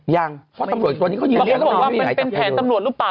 ยังเพราะตำรวจตัวนี้เขายืนยันว่ามันเป็นแผนตำรวจหรือเปล่า